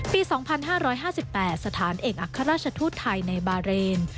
ปี๒๕๕๘สถานเอกอัครราชทูตไทยในบาเรน